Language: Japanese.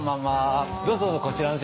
どうぞどうぞこちらの席。